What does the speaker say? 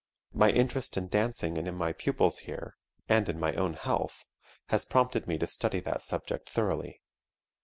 My interest in dancing and in my pupils here and in my own health has prompted me to study that subject thoroughly.